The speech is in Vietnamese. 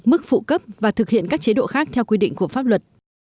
mức phụ cấp và thực hiện các chế độ khác theo quy định của pháp luật